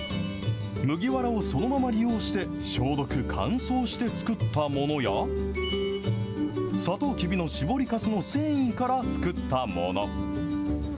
麦わらをそのまま利用して、消毒・乾燥して作ったものや、サトウキビの搾りかすの繊維から作ったもの。